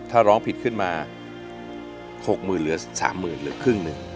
ถ้าร้องผิดขึ้นมา๖๐๐๐เหลือ๓๐๐๐เหลือครึ่งหนึ่ง